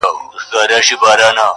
پاچا وغوښته نجلۍ واده تیار سو،